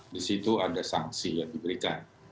di situ ada sanksi yang diberikan